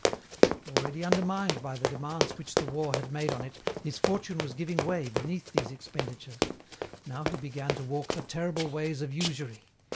"Already undermined by the demands which the war had made on it, his fortune was giving way beneath these expenditures. Now he began to walk the terrible ways of usury.